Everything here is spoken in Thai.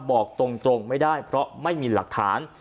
บอกตรงไม่ได้เพราะไม่มีหลักฐาน